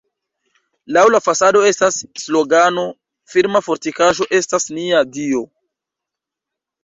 Laŭ la fasado estas slogano: "Firma fortikaĵo estas nia Dio".